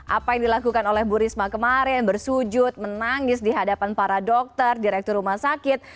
apa yang dilakukan oleh bu risma kemarin bersujud menangis di hadapan para dokter direktur rumah sakit